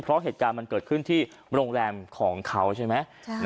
เพราะเหตุการณ์มันเกิดขึ้นที่โรงแรมของเขาใช่ไหม